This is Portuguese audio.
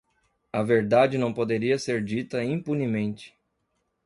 A verdade não poderia ser dita impunemente.